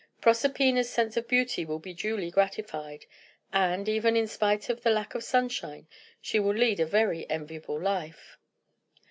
Proserpina's sense of beauty will be duly gratified, and, even in spite of the lack of sunshine, she will lead a very enviable life."